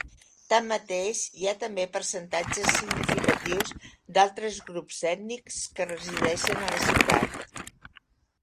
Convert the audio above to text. Tanmateix, hi ha també percentatges significatius d'altres grups ètnics que resideixen a la ciutat.